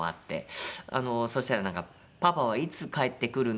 そしたらなんか「パパはいつ帰ってくるの？」